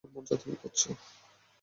মজা তুমি করছো।